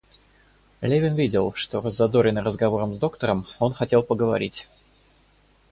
Левин видел, что, раззадоренный разговором с доктором, он хотел поговорить.